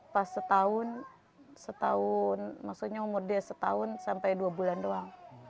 pas setahun setahun maksudnya umur dia setahun sampai dua bulan doang